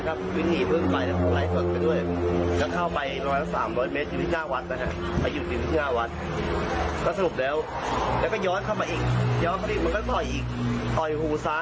ไม่ใช่ถลุเข้าไปนะ